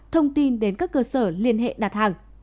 thông tin đến các cơ sở liên hệ đặt hàng